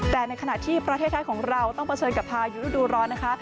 แต่ในขณะที่ประเทศไทยของเราต้องเผชิญกับพายุฤดูร้อนนะคะ